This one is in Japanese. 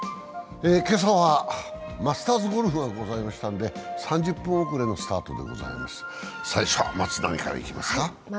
今朝はマスターズゴルフがありましたんで３０分遅れのスタートでございます。